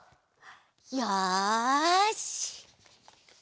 よし！